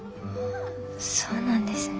そうなんですね。